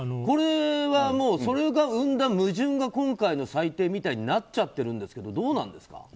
これは、それが生んだ矛盾が今回の裁定みたいになっちゃってるんですけどどうなんですか。